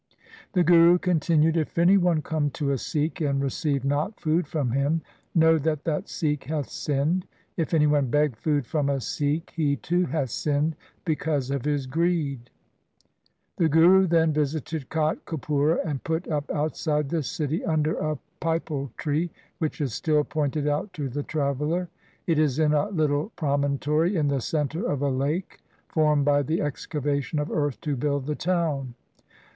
The Guru con tinued, ' If any one come to a Sikh, and receive not food from him, know that that Sikh hath sinned. If any one beg food from a Sikh, he too hath sinned because of his greed.' LIFE OF GURU GOBIND SINGH 209 The Guru then visited Kot Kapura, and put up outside the city under a pipal tree, which is still pointed out to the traveller. It is in a little pro montory in the centre of a lake formed by the excavation of earth to build the town.